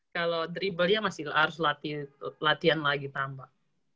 kalau dribblenya masih harus latihan lagi tambah